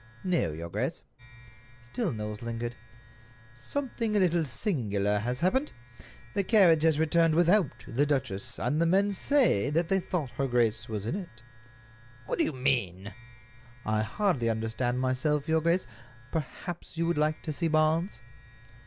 "No, your grace." Still Knowles lingered. "Something a little singular has happened. The carriage has returned without the duchess, and the men say that they thought her grace was in it." "What do you mean?" "I hardly understand myself, your grace. Perhaps you would like to see Barnes."